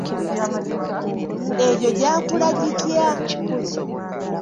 Egyo gyakula gitya?